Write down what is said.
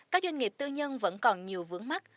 các doanh nghiệp tư nhân vẫn còn nhiều vướng mắt